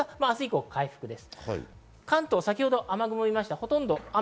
明日以降回復です。